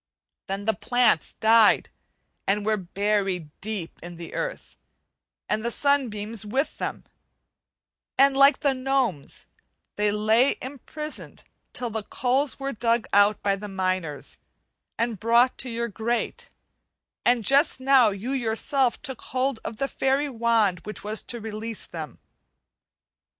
Then the plants died and were buried deep in the earth and the sunbeams with them; and like the gnomes they lay imprisoned till the coals were dug out by the miners, and brought to your grate; and just now you yourself took hold of the fairy wand which was to release them.